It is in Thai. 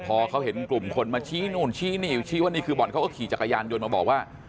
พอเขาเห็นกลุ่มคนมาชี้นู่นชี้นี่ชี้ว่านี่คือบ่อนเขาก็ขี่จักรยานยนต์มาบอกว่า